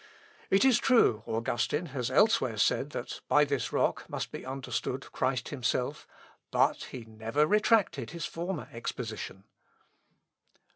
It is true, Augustine has elsewhere said that, by this rock must be understood Christ himself, but he never retracted his former exposition."